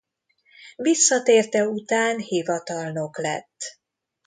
Visszatérte után hivatalnok lett.